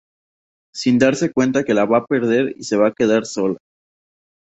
Sin darse cuenta que la va a perder y se va a quedar sola.